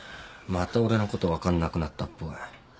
また俺のこと分かんなくなったっぽい。